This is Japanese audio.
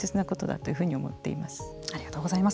それがありがとうございます。